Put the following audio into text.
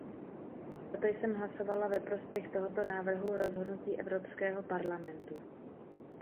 Proto jsem hlasovala ve prospěch tohoto návrhu rozhodnutí Evropského parlamentu.